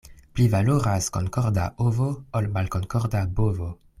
Pli valoras konkorda ovo, ol malkonkorda bovo.